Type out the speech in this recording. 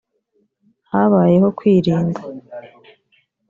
« Habayeho kwirinda